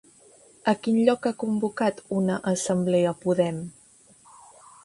A quin lloc ha convocat una assemblea Podem?